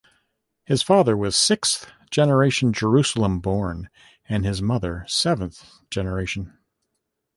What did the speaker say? His father was sixth-generation Jerusalem-born and his mother seventh-generation.